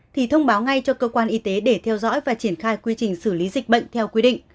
thì thông báo ngay cho cơ quan y tế để theo dõi và triển khai quy trình xử lý dịch bệnh theo quy định